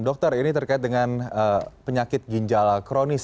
dokter ini terkait dengan penyakit ginjal kronis